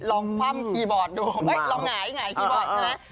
คว่ำคีย์บอร์ดดูลองหงายหงายคีย์บอร์ดใช่ไหม